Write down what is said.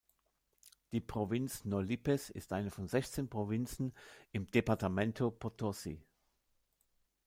Die Provinz Nor Lípez ist eine von sechzehn Provinzen im Departamento Potosí.